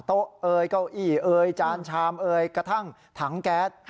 เอ่ยเก้าอี้เอ่ยจานชามเอยกระทั่งถังแก๊ส